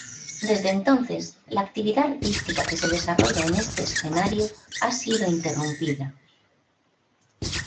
Desde entonces la actividad artística que se desarrolla en este escenario ha sido interrumpida.